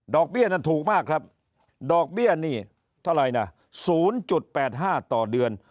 เบี้ยนั้นถูกมากครับดอกเบี้ยนี่เท่าไหร่นะ๐๘๕ต่อเดือน